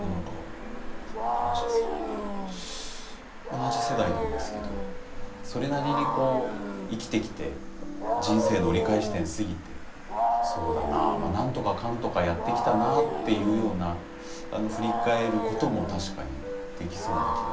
同じ世代なんですけどそれなりにこう生きてきて人生の折り返し点過ぎてそうだなあまっなんとかかんとかやってきたなっていうような振り返ることも確かにできそうな気がしますね。